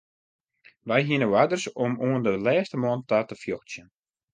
Wy hiene oarders om oan de lêste man ta te fjochtsjen.